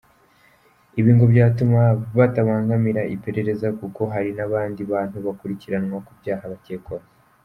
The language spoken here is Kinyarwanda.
Ibi ngo byatuma batabangamira iperereza kuko hari n’abandi bantu bakurikiranwa ku byaha bakekwaho.